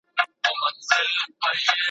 د نصیب تږی پیدا یم له خُمار سره مي ژوند دی `